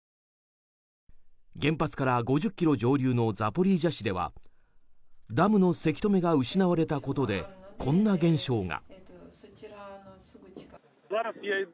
原発から５０ｋｍ上流のザポリージャ市ではダムのせき止めが失われたことでこんな現象が。